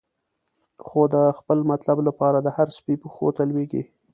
خو د خپل مطلب لپاره، د هر سپی پښو ته لویږی